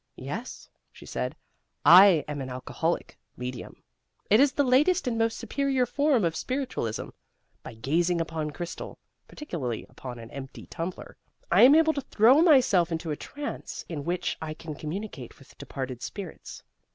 "Yes," she said, "I am an alcoholic medium. It is the latest and most superior form of spiritualism. By gazing upon crystal particularly upon an empty tumbler I am able to throw myself into a trance in which I can communicate with departed spirits.